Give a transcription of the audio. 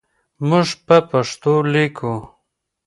موږ په پښتو لیکو.